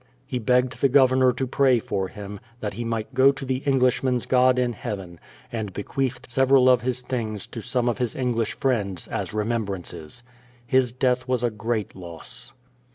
He begged the Governor to pray for him, that he might go to the Englishmen's God in heaven, and bequeathed several of his things to some of his English friends, as remembrances. His death was a great loss.